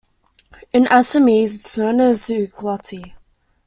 In Assamese it is known as "xukloti".